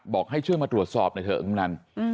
บอกให้ช่วยมาตรวจสอบหน่อยเถอะกำนัน